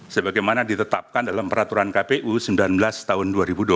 sebagaimana ditetapkan dalam peraturan kpu sembilan belas tahun dua ribu dua puluh